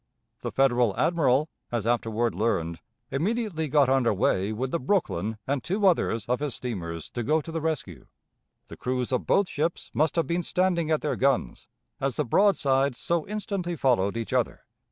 The Federal Admiral, as afterward learned, immediately got under way with the Brooklyn and two others of his steamers to go to the rescue. The crews of both ships must have been standing at their guns, as the broadsides so instantly followed each other.